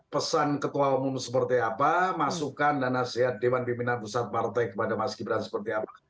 pesan ketua umum seperti apa masukan dan nasihat dewan pimpinan pusat partai kepada mas gibran seperti apa